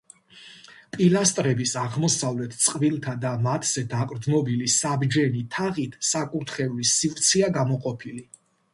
პილასტრების აღმოსავლეთ წყვილთა და მათზე დაყრდნობილი საბჯენი თაღით საკურთხევლის სივრცეა გამოყოფილი.